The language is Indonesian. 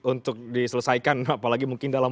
untuk diselesaikan apalagi mungkin dalam